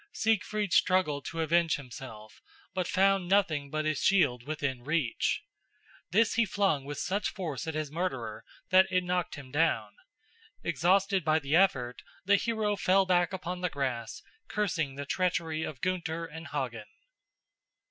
Siegfried struggled to avenge himself, but found nothing but his shield within reach. This he flung with such force at his murderer that it knocked him down. Exhausted by the effort, the hero fell back upon the grass, cursing the treachery of Gunther and Hagen.